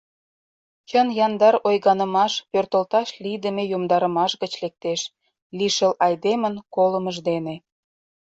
Чын-яндар ойганымаш пӧртылташ лийдыме йомдарымаш гыч лектеш – лишыл айдемын колымыж дене.